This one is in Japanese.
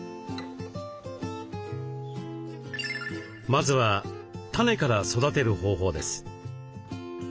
まずはタネから育てる方法です。